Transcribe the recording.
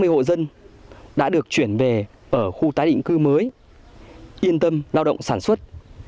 ba mươi hộ dân đã được chuyển về ở khu tái định cư mới yên tâm lao động sản xuất